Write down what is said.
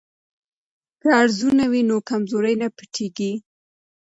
که ارزونه وي نو کمزوري نه پټیږي.